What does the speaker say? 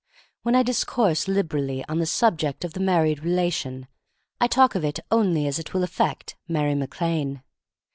When I discourse liberally on the subject of the married relation, I talk of it only as it will affect Mary Mac Lane.